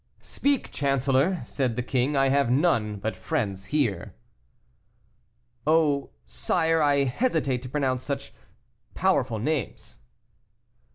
"Speak, chancellor," said the king, "I have none but friends here." "Oh! sire, I hesitate to pronounce such powerful names."